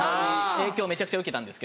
影響めちゃくちゃ受けたんです。